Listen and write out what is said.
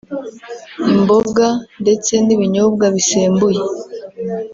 imboga ndetse n’ibinyobwa bisembuye